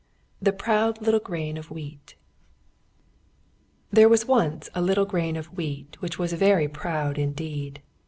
THE PROUD LITTLE GRAIN OF WHEAT There once was a little grain of wheat which was very proud indeed.